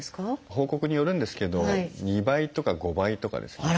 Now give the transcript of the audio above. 報告によるんですけど２倍とか５倍とかですね